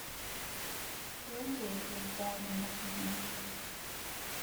Lunghi was born in Nottingham.